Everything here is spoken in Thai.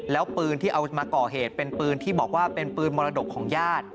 แล้วปืนที่เอามาก่อเหตุเป็นปืนที่บอกว่าเป็นปืนมรดกของญาติ